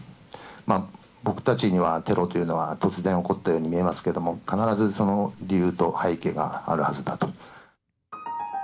僕たちにはテロというのは突然起こったように見えますけれども、必ずその理由と背景があるはずだと。